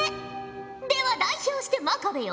では代表して真壁よ。